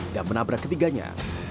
dan menabrak ketiganya